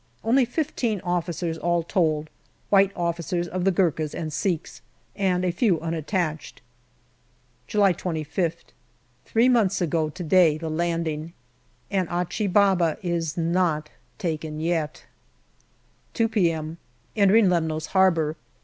Only fifteen officers all told white officers of the Gurkhas and Sikhs, and a few unattached. July 25th. Three months ago to day the landing, and Achi Baba is not taken yet. JULY 171 2 p.m. Entering Lemnos Harbour.